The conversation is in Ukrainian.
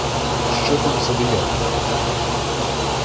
— Що там за диявол лізе?